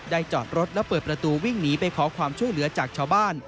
จอดรถและเปิดประตูวิ่งหนีไปขอความช่วยเหลือจากชาวบ้าน